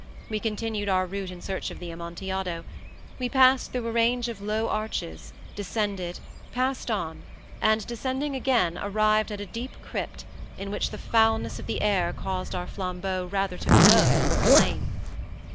We continued our route in search of the Amontillado. We passed through a range of low arches, descended, passed on, and descending again, arrived at a deep crypt, in which the foulness of the air caused our flambeaux rather to glow than flame.